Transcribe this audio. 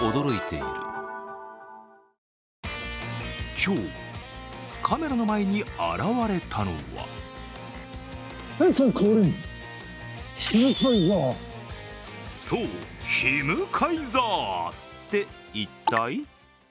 今日、カメラの前に現れたのはそう、ヒムカイザー！って一体？